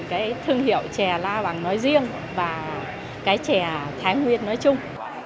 cái thương hiệu chè la vàng nói riêng và cái chè thái nguyên nói chung